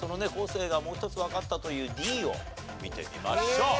生がもう一つわかったというＤを見てみましょう。